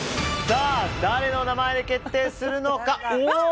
誰の名前に決定するのか。